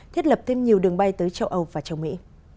thiết lập thêm nhiều đường bay tới châu âu và châu mỹ